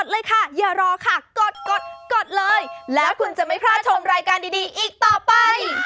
เสียเซลล์ไปข่าวต่อไปเลยดีกว่า